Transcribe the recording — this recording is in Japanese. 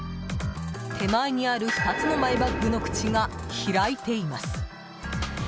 手前にある２つのマイバッグの口が開いています。